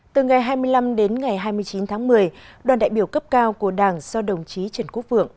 từ ngày hai mươi năm đến ngày hai mươi chín tháng một mươi đoàn đại biểu cấp cao của đảng do đồng chí trần quốc vượng